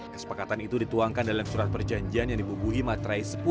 kesepakatan itu dituangkan dalam surat perjanjian yang dibubuhi matrai sepuluh